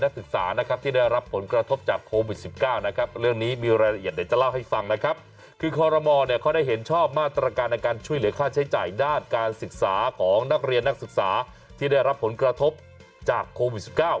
ถูกต้องครับวันนี้คอลโรมอก็เห็นชอบในการช่วยเหลือค่าใช้จ่ายนักเรียนนักศึกษาที่ได้รับผลกระทบจากโควิด๑๙